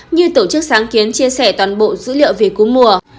như tổ chức sáng kiến chia sẻ toàn bộ dữ liệu về cú mùa